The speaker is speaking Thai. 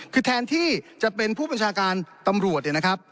คือแทนที่จะเป็นผู้บัญชาการตำรวจ